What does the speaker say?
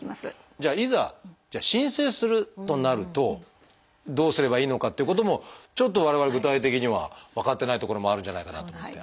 じゃあいざ申請するとなるとどうすればいいのかっていうこともちょっと我々具体的には分かってないところもあるんじゃないかなと思って。